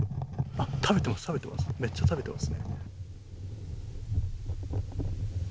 めっちゃ食べてますね。